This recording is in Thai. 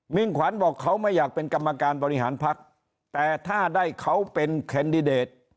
ขวัญบอกเขาไม่อยากเป็นกรรมการบริหารพักแต่ถ้าได้เขาเป็นแคนดิเดต